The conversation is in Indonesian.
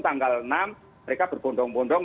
tanggal enam mereka berbondong bondong